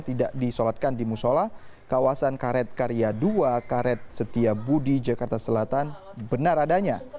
tidak disolatkan di musola kawasan karet karya dua karet setiabudi jakarta selatan benar adanya